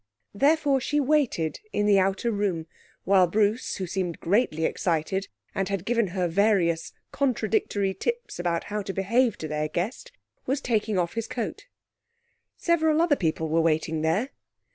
Therefore she waited in the outer room while Bruce, who seemed greatly excited, and had given her various contradictory tips about how to behave to their guest, was taking off his coat. Several other people were waiting there.